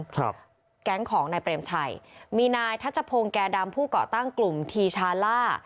แก๊งของนายเปรมชัยมีนายทัชพงศ์แก่ดำผู้เกาะตั้งกลุ่มทีชาล่า